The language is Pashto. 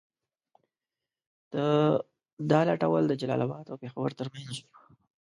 دا لوټول د جلال اباد او پېښور تر منځ وو.